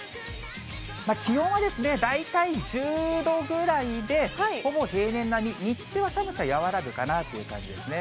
気温は大体１０度ぐらいで、ほぼ平年並み、日中は寒さ和らぐかなという感じですね。